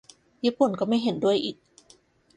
ญี่ปุ่นก็ไม่เห็นด้วยอีก